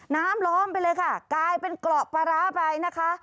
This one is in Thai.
ล้อมไปเลยค่ะกลายเป็นเกราะปลาร้าไปนะคะ